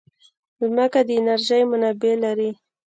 مځکه د انرژۍ منابع لري.